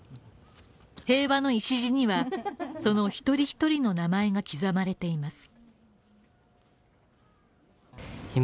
平和の礎にはその一人一人の名前が刻まれています。